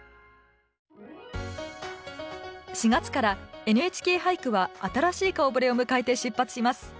４月から「ＮＨＫ俳句」は新しい顔ぶれを迎えて出発します。